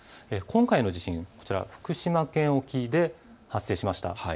今回の地震、福島県沖で発生しました。